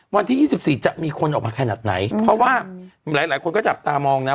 วันที่๒๔จะมีคนออกมาขนาดไหนเพราะว่าหลายหลายคนก็จับตามองนะ